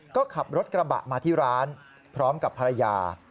ก็ขับรถกระบะมาที่ร้านพร้อมกับภรรยา